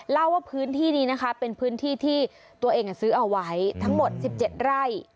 เล่าว่าพื้นที่นี้นะคะเป็นพื้นที่ที่ตัวเองซื้อเอาไว้ทั้งหมด๑๗ไร่